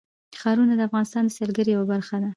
ښارونه د افغانستان د سیلګرۍ یوه برخه ده.